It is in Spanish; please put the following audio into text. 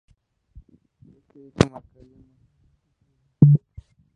Este hecho marcaría más adelante su vida.